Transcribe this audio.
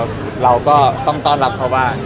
คนในครอบครัวใช่